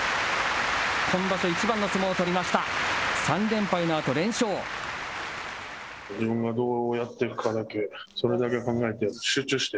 今場所、一番の相撲を取りました。